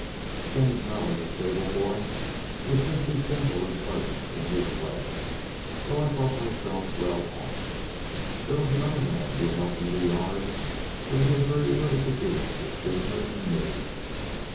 James Howard, the stable boy, was just as gentle and pleasant in his way, so I thought myself well off. There was another man who helped in the yard, but he had very little to do with Ginger and me.